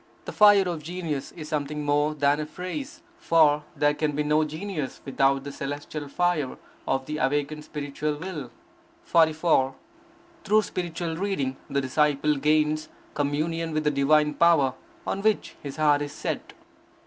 The fire of genius is something more than a phrase, for there can be no genius without the celestial fire of the awakened spiritual will. 44. Through spiritual reading, the disciple gains communion with the divine Power on which his heart is set.